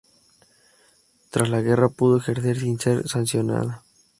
Tras la guerra pudo ejercer sin ser sancionada.